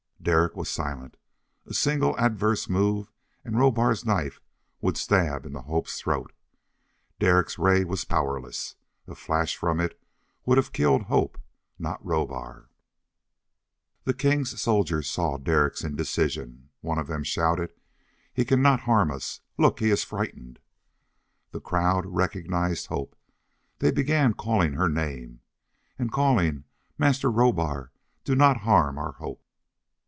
Derek was silent. A single adverse move and Rohbar's knife would stab into Hope's throat. Derek's ray was powerless. A flash from it would have killed Hope, not Rohbar. The king's soldiers saw Derek's indecision. One of them shouted, "He cannot harm us! Look, he is frightened!" The crowd recognized Hope. They began calling her name. And calling, "Master Rohbar, do not harm our Hope!"